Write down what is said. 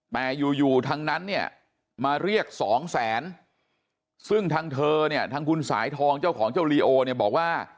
แต่อยู่อยู่ทางนั้นเนี่ยมาเรียกสองแสนซึ่งทางเธอเนี่ยทางคุณสายทองเจ้าของเจ้าลีโอเนี่ยบอกว่า